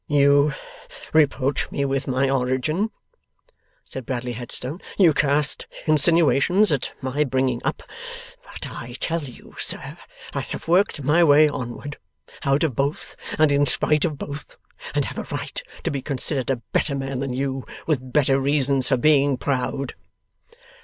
'You reproach me with my origin,' said Bradley Headstone; 'you cast insinuations at my bringing up. But I tell you, sir, I have worked my way onward, out of both and in spite of both, and have a right to be considered a better man than you, with better reasons for being proud.